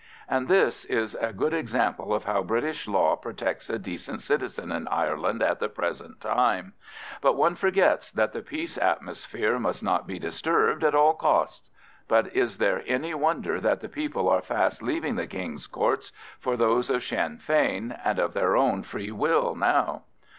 And this is a good example of how British law protects a decent citizen in Ireland at the present time; but one forgets that the peace atmosphere must not be disturbed at all costs! But is there any wonder that the people are fast leaving the King's Courts for those of Sinn Fein, and of their own free will now?